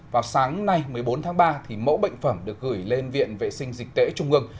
vào sáng nay một mươi bốn tháng ba mẫu bệnh phẩm được gửi lên viện vệ sinh dịch tễ trung ương